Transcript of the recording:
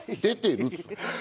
出てる。